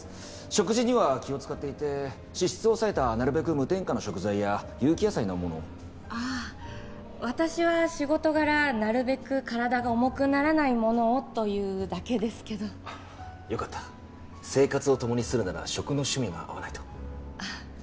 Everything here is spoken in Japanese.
食事には気を使っていて脂質を抑えたなるべく無添加の食材や有機野菜のものをああ私は仕事柄なるべく体が重くならないものをというだけですけどよかった生活を共にするなら食の趣味が合わないとあっ